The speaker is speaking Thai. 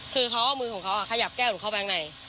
คือเขาเอามือของเขาขยับแก้วหนูเข้าไปข้างใน